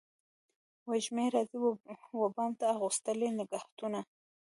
وږمې راځي و بام ته اغوستلي نګهتونه